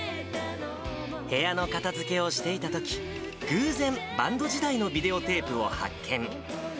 部屋の片づけをしていたとき、偶然、バンド時代のビデオテープを発見。